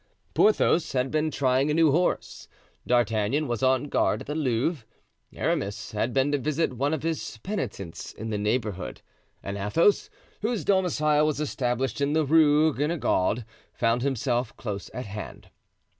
Porthos had been trying a new horse; D'Artagnan was on guard at the Louvre; Aramis had been to visit one of his penitents in the neighborhood; and Athos, whose domicile was established in the Rue Guenegaud, found himself close at hand.